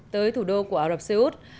tới thủ đô của ả rập xê út